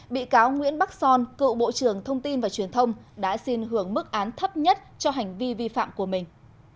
bị cáo nguyễn bắc son cựu bộ trưởng thông tin và truyền thông đã xin hưởng mức án thấp nhất cho hành vi vi phạm của mình